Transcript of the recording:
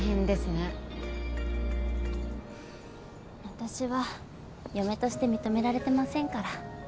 私は嫁として認められてませんから。